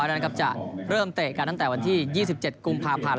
เรียบร้อยละครับจะเริ่มเตะกันทั้งแต่วันที่๒๗กุมภาพันธ์